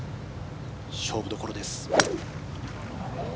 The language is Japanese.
勝負どころです。